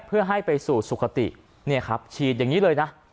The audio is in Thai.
เพื่อให้ไปสู่สุขติเนี่ยครับฉีดอย่างนี้เลยนะ